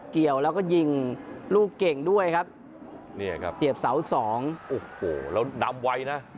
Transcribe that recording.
เกี่ยวแล้วก็ยิงลูกเก่งด้วยครับเนี่ยครับเสียบเสาสองโอ้โหแล้วดำไวนะ